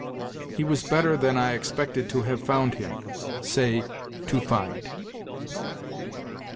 "He was better than I expected to have found him": say, to find.